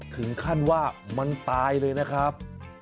ถึงขั้นว่ามันตายเลยนะครับ